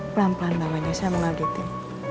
pelan pelan namanya sama gitu